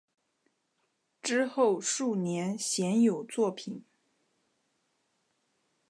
之后数年鲜有作品。